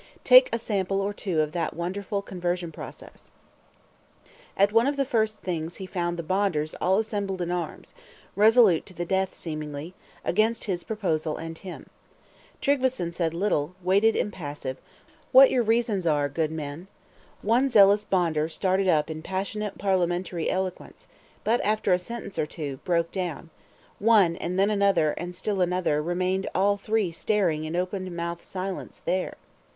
Take a sample or two of that wonderful conversion process: At one of his first Things he found the Bonders all assembled in arms; resolute to the death seemingly, against his proposal and him. Tryggveson said little; waited impassive, "What your reasons are, good men?" One zealous Bonder started up in passionate parliamentary eloquence; but after a sentence or two, broke down; one, and then another, and still another, and remained all three staring in open mouthed silence there!